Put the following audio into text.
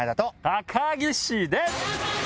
高岸です！